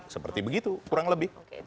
seperti begitu kurang lebih